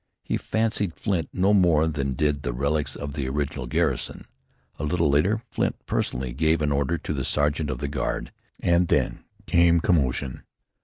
He fancied Flint no more than did the relics of the original garrison. A little later Flint personally gave an order to the sergeant of the guard and then came commotion.